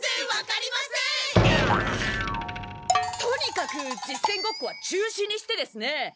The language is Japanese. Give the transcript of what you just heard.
とにかく実戦ごっこは中止にしてですね。